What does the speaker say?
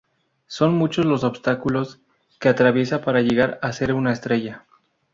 Son muchos los obstáculos que atraviesa para llegar a ser una estrella.